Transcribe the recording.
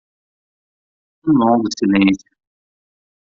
Um longo silêncio